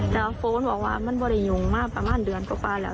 แล้วฟูลบอกว่าไม่มาหลายหญิงมาประมาณเดือนก็ป่าวแล้ว